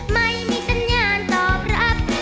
ไม่มีสัญญาณตอบรับ